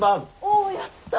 おやった！